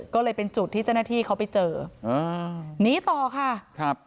ก็เลยเป็นจุดที่เจ้าหน้าที่เขาไปเจออ่าหนีต่อค่ะครับ